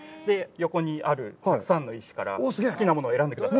横にあるたくさんの石から好きなものを選んでください。